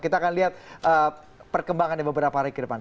kita akan lihat perkembangannya beberapa hari ke depan